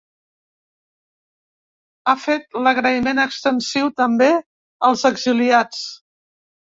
Ha fet l’agraïment extensiu, també, als exiliats.